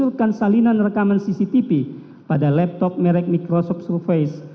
menurutkan salinan rekaman cctv pada laptop merek microsoft surface